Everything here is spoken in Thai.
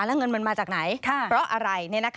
แล้วเงินมันมาจากไหนเพราะอะไร